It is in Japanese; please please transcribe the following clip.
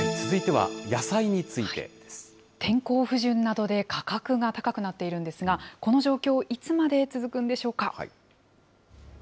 天候不順などで価格が高くなっているんですが、この状況、いつまで続くんでしょうか。